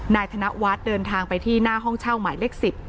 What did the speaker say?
ธนวัฒน์เดินทางไปที่หน้าห้องเช่าหมายเลข๑๐